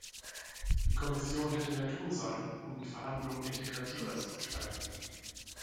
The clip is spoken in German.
Die Kommission hätte mehr tun sollen, um die Verhandlungen integrativer zu gestalten.